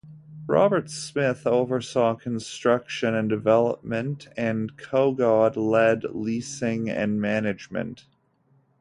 Robert Smith oversaw construction and development, and Kogod led leasing and management.